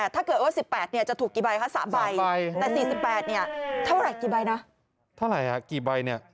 ถ้าเกิดว่า๑๘เนี่ยจะถูกกี่ใบคะ๓ใบแต่๔๘เนี่ยเท่าไหร่กี่ใบนะ